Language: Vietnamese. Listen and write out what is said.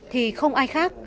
thì không ai khác